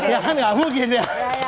ya kan nggak mungkin ya